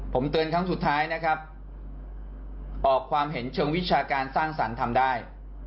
ผมเตือนครั้งสุดท้ายนะครับออกความเห็นเชิงวิชาการสร้างสรรค์ทำได้